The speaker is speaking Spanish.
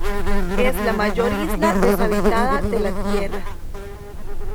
Es la mayor isla deshabitada de la tierra.